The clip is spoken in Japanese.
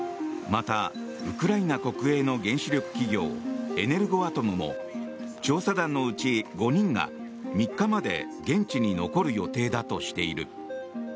また、ウクライナ国営の原子力企業、エネルゴアトムも調査団のうち５人が、３日まで現地に残る予定だとしている。